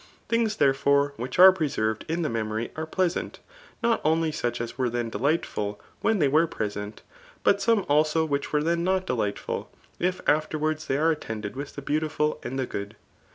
Things, therefore^ which are pr^ served iii the memory are pleasant, not only suth as were then delightful when they were present, but some abo which were dien not delightful,* if afterwards they are attended with the beautiful and the good.